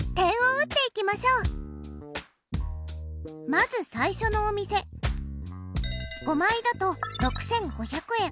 まず最初のお店５枚だと６５００円。